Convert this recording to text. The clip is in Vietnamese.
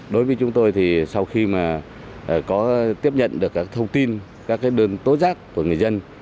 đối với chúng tôi thì sau khi mà có tiếp nhận được các thông tin các đơn tố giác của người dân